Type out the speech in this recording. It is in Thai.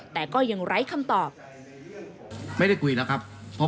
แต่ก็ยังไร้คำตอบ